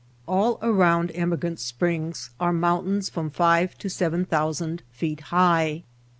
All around Emigrant Springs are mountains from five to seven thousand feet high.